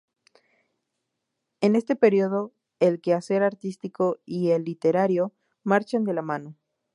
En este período, el quehacer artístico y el literario marchan de la mano.